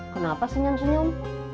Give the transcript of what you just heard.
kenapa senyum senyum